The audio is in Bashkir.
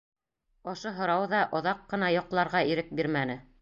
Ошо һорау ҙа оҙаҡ ҡына йоҡларға ирек бирмәне.